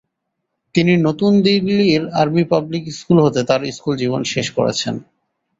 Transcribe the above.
তিনি নতুন দিল্লির আর্মি পাবলিক স্কুল হতে তাঁর স্কুল জীবন শেষ করেছেন।